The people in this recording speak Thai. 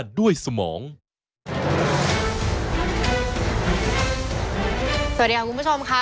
สวัสดีค่ะคุณผู้ชมค่ะ